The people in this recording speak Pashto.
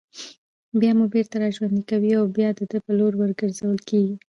بيا مو بېرته راژوندي كوي او بيا د ده په لور ورگرځول كېږئ